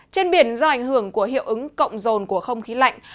trên biển do ảnh hưởng của hiệu ứng cộng rồn của không khí lạnh